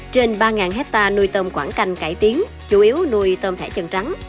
trên ba hectare nuôi tôm quảng canh cải tiến chủ yếu nuôi tôm thẻ chân trắng